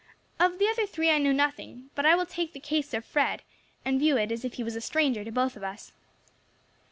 Of the other three I know nothing; but I will take the case of Fred and view it as if he was a stranger to both of us.